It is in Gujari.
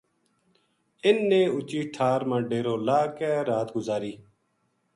اِنھ نے اُچی ٹھار ما ڈیرو لاہ کے رات گزاری